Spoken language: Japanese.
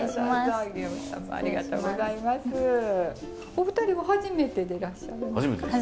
お二人は初めてでいらっしゃるんですか？